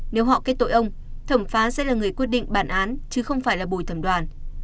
nếu họ kết tội ông thẩm phán sẽ là người quyết định bản án chứ không phải là bùi thẩm đoàn